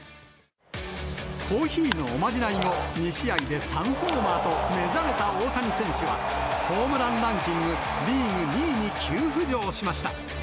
コーヒーのおまじない後、２試合で３ホーマーと目覚めた大谷選手は、ホームランランキング、リーグ２位に急浮上しました。